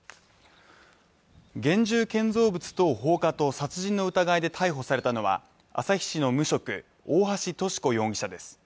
現住建造物等放火と殺人の疑いで逮捕されたのは旭市の無職、大橋とし子容疑者です